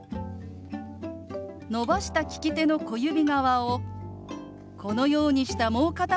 伸ばした利き手の小指側をこのようにしたもう片方の手の真ん中に当てます。